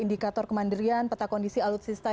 indikator kemandirian peta kondisi alutsista